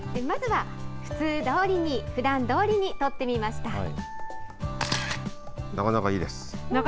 まずは普通どおりに、ふだんどおりに撮ってみました。